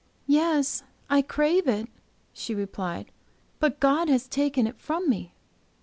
"Yes, I crave it," she replied, "but God has taken it from me.